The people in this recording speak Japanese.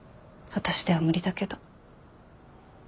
私では無理だけど。